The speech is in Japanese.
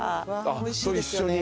一緒に？